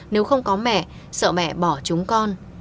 nếu không có mẹ sợ mẹ bỏ chúng con